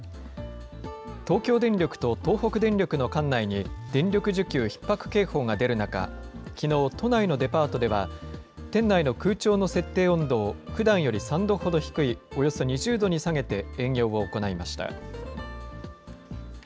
東京電力と東北電力の管内に電力需給ひっ迫警報が出る中、きのう、都内のデパートでは、店内の空調の設定温度を、ふだんより３度ほど低いおよそ２０度に下げて営業を行いました。